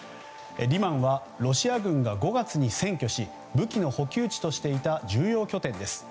リマンはロシア軍が５月に占拠し武器の補給地としていた重要拠点です。